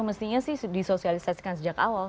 mestinya sih disosialisasikan sejak awal